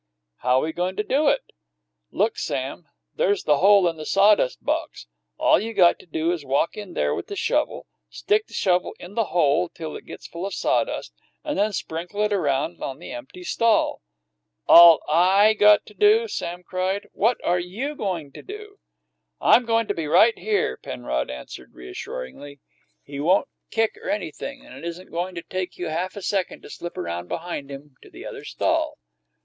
"How we goin' to do it?" "Look, Sam; there's the hole into the sawdust box! All you got to do is walk in there with the shovel, stick the shovel in the hole till it gets full of sawdust, and then sprinkle it around on the empty stall." "All I got to do!" Sam cried. "What are you goin' to do?" "I'm goin' to be right here," Penrod answered reassuringly. "He won't kick or anything, and it isn't goin' to take you half a second to slip around behind him to the other stall."